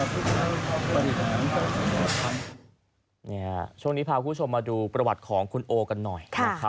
คุณค่ะช่วงนี้พาคุณผู้ชมมาดูประวัติของคุณโอกันหน่อย